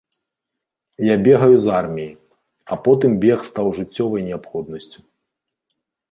Я бегаю з арміі, а потым бег стаў жыццёвай неабходнасцю.